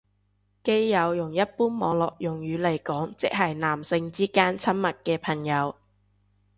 基友用一般網絡用語嚟講即係男性之間親密嘅朋友